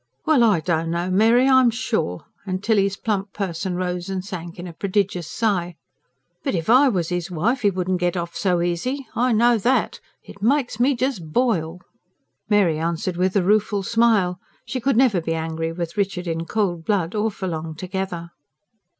"Well! I don't know, Mary, I'm sure," and Tilly's plump person rose and sank in a prodigious sigh. "But if I was 'is wife 'e wouldn't get off so easy I know that! It makes me just boil." Mary answered with a rueful smile. She could never be angry with Richard in cold blood, or for long together.